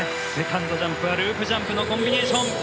セカンドジャンプはループジャンプのコンビネーション。